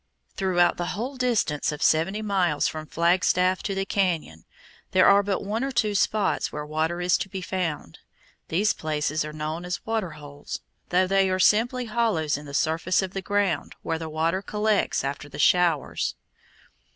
Throughout the whole distance of seventy miles from Flagstaff to the cañon, there are but one or two spots where water is to be found. These places are known as "water holes"; they are simply hollows in the surface of the ground where the water collects after the showers.